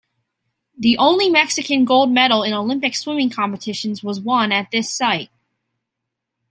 The only Mexican gold medal in Olympic swimming competitions was won at this site.